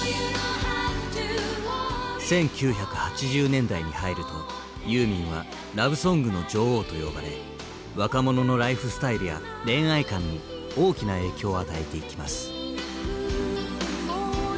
１９８０年代に入るとユーミンは「ラブソングの女王」と呼ばれ若者のライフスタイルや恋愛観に大きな影響を与えていきます。